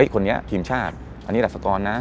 คนนี้ทีมชาติอันนี้ดัศกรนะ